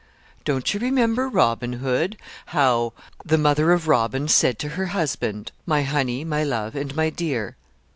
Don't you remember Robin Hood? how 'The mother of Robin said to her husband, My honey, my love, and my dear.'